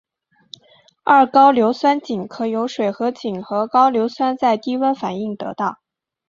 二高氯酸肼可由水合肼和高氯酸在低温反应得到。